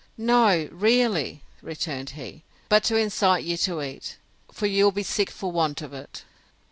—No, really, returned he: but to incite you to eat; for you'll be sick for want of it.